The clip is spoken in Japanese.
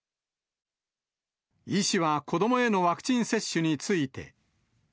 医師は、子どもへのワクチン接種について。